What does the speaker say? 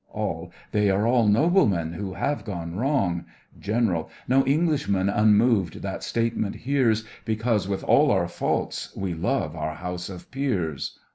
ALL: They are all noblemen who have gone wrong. GENERAL: No Englishman unmoved that statement hears, Because, with all our faults, we love our House of Peers.